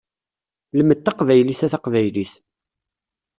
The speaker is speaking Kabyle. Lmed taqbaylit a taqbaylit!